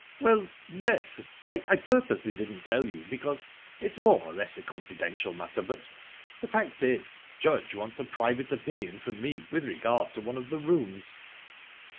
"Well, yes. I purposely didn't tell you, because it's more or less a confidential matter, but the fact is Judge wants a private opinion from me with regard to one of the rooms..."